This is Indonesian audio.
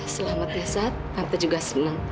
selamat ya sat tante juga senang